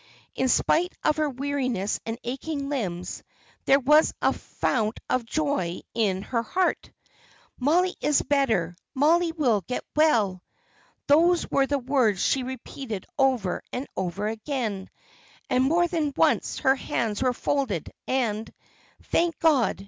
In spite of her weariness and aching limbs, there was a fount of joy in her heart. "Mollie is better. Mollie will get well." Those were the words she repeated over and over again, and more than once her hands were folded, and "Thank God!"